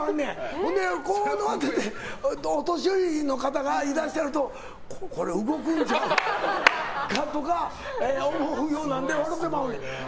ほんで、こう乗っててお年寄りの方がいらっしゃるとこれ動くんちゃうかとか思うようになって笑ってまうねん。